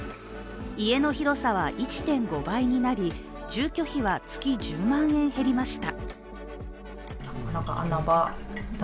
家の広さは１．５倍になり住居費は月１０万円減りました。